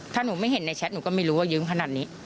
ถ้าหนูไม่เห็นในแชทหนูก็ไม่รู้ว่ายืมขนาดนี้